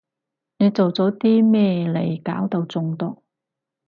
你做咗啲咩嚟搞到中毒？